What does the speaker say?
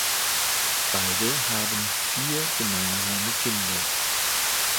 Beide haben vier gemeinsame Kinder.